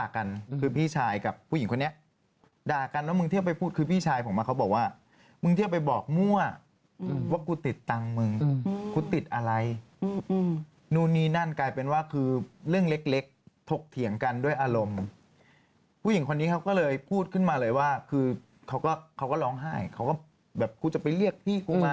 กันคือพี่ชายกับผู้หญิงคนนี้ด่ากันแล้วมึงเที่ยวไปพูดคือพี่ชายผมมาเขาบอกว่ามึงเที่ยวไปบอกมั่วอืมว่ากูติดตังค์มึงอืมคุณติดอะไรอืมอืมนู่นนี่นั่นกลายเป็นว่าคือเรื่องเล็กเล็กถกเถียงกันด้วยอารมณ์ผู้หญิงคนนี้เขาก็เลยพูดขึ้นมาเลยว่าคือเขาก็เขาก็ร้องไห้เขาก็แบบกูจะไปเรียกพ